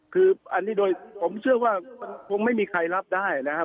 คืออันนี้โดยผมเชื่อว่ามันคงไม่มีใครรับได้นะครับ